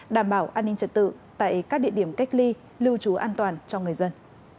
đảm bảo an ninh trật tự tại các địa điểm cách ly lưu trú an toàn cho người dân